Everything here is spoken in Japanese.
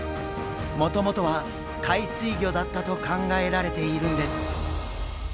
もともとは海水魚だったと考えられているんです。